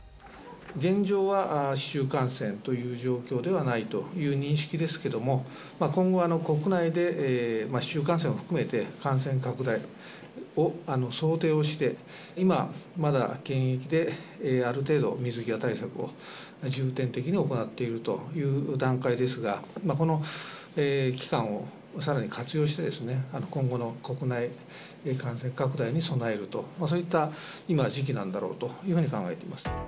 現状は市中感染という状況ではないという認識ですけども、今後、国内で市中感染を含めて感染拡大を想定をして、今まだ、検疫である程度水際対策を重点的に行っているという段階ですが、この期間をさらに活用して、今後の国内感染拡大に備えると、そういった今、時期なんだろうというふうに考えています。